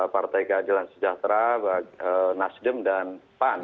partai keadilan sejahtera nasdem dan pan